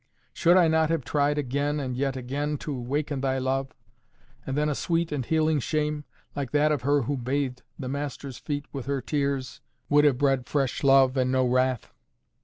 Should I not have tried again, and yet again, to waken thy love; and then a sweet and healing shame, like that of her who bathed the Master's feet with her tears, would have bred fresh love, and no wrath."